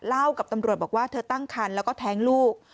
เล่ากับตำรวจบอกว่าเธอตั้งคันแล้วก็แท้งลูก